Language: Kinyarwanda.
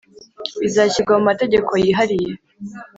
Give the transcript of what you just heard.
bizashyirwa mu mategeko yihariye